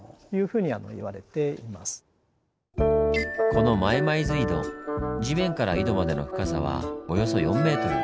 このまいまいず井戸地面から井戸までの深さはおよそ４ｍ。